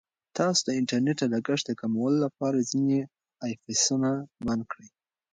تاسو د انټرنیټ د لګښت د کمولو لپاره ځینې ایپسونه بند کړئ.